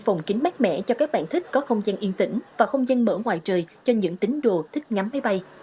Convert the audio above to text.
phòng kính mát mẻ cho các bạn thích có không gian yên tĩnh và không gian mở ngoài trời cho những tính đồ thích ngắm máy bay